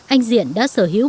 anh diện đã sở hữu